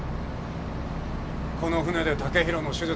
この船で剛洋の手術。